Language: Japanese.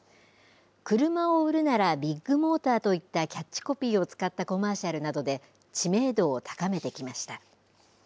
車を売るならビッグモーターといったキャッチコピーを使ったコマーシャルなどで、知名度を高めてきました。